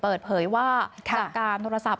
เปิดเผยว่าจากการโทรศัพท์